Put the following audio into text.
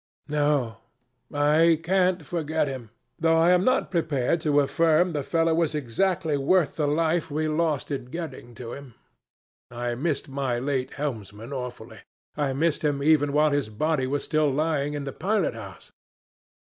No; I can't forget him, though I am not prepared to affirm the fellow was exactly worth the life we lost in getting to him. I missed my late helmsman awfully, I missed him even while his body was still lying in the pilot house.